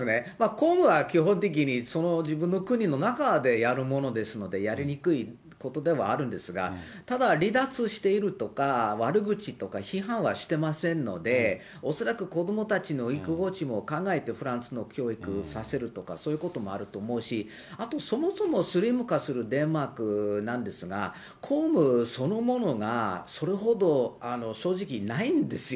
公務は基本的にその自分の国の中でやるものですので、やりにくいことではあるんですが、ただ、離脱しているとか、悪口とか批判はしてませんので、恐らく子どもたちのも考えてフランスの教育をさせるとかそういうこともあると思うし、あとそもそもスリム化するデンマークなんですが、公務そのものがそれほど、正直ないんですよ。